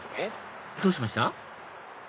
どうしました？